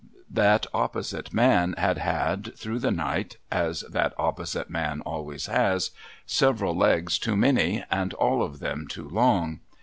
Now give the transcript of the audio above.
'J'hat opjxjsite man had had, through the night — as that opposite man always has — several legs too many, and all of them too long.